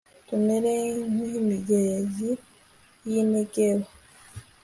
tumere nk imigezi y i negebu